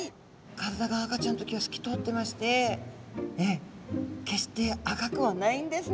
体が赤ちゃんの時はすき通ってまして決して赤くはないんですね